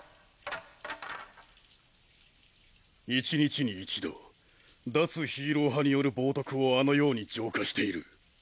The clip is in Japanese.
１日に一度脱ヒーロー派による冒涜をあのように浄化している。